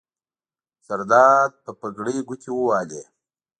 زرداد په پګړۍ ګوتې ووهلې.